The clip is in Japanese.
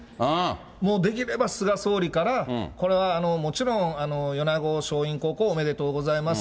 もうできれば菅総理から、これはもちろん米子松蔭高校、おめでとうございます。